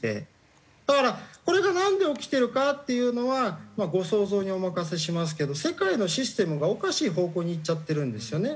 だからこれがなんで起きてるかっていうのはご想像にお任せしますけど世界のシステムがおかしい方向にいっちゃってるんですよね。